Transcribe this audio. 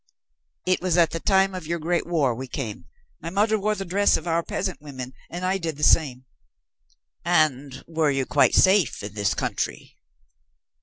"It was at the time of your great war we came. My mother wore the dress of our peasant women, and I did the same." "And were you quite safe in this country?"